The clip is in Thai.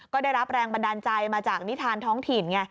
ก็ได้รับแรงบันดาลใจมาจากนิทานท้องถิ่นไง